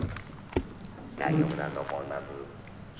「大丈夫だと思います」。